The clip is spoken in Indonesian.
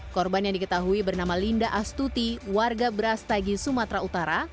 korban yang diketahui bernama linda astuti warga brastagi sumatera utara